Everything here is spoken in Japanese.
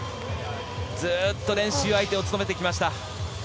ずっと練習相手を務めてきました。